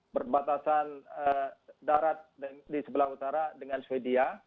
berbatasan darat di sebelah utara dengan sweden